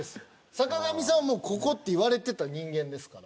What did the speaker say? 坂上さんはもうここって言われてた人間ですから。